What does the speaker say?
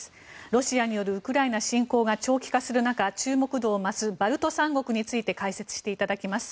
ロシアによるウクライナ侵攻が長期化する中注目度を増すバルト三国について解説していただきます。